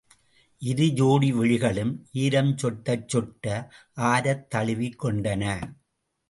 இரு ஜோடி விழிகளும் ஈரம் சொட்டச் சொட்ட, ஆரத் தழுவிக் கொண்டன!